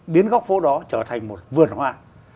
biến góc phố đó trở thành một vườn hoa